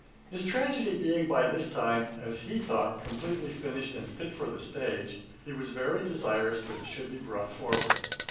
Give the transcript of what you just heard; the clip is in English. ] His tragedy being by this time, as he thought, completely finished and fit for the stage, he was very desirous that it should be brought forward.